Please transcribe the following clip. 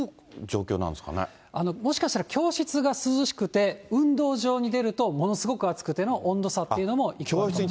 あれ、もしかしたら教室が涼しくて、運動場に出ると、ものすごく暑くての、温度差っていうのもあります。